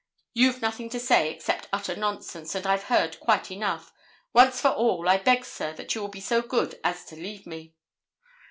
You've nothing to say, except utter nonsense, and I've heard quite enough. Once for all, I beg, sir, that you will be so good as to leave me.'